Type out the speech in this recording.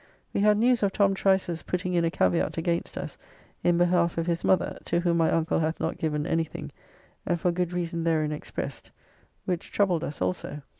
We had news of Tom Trice's putting in a caveat against us, in behalf of his mother, to whom my uncle hath not given anything, and for good reason therein expressed, which troubled us also.